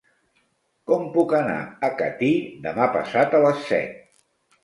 Com puc anar a Catí demà passat a les set?